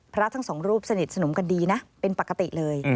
พระทั้งสองรูปสนิทสนมกันดีนะเป็นปกติเลย